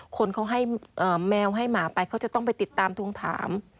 คนเขาให้แมวให้หมาไปเขาจะต้องไปติดตามทวงถาม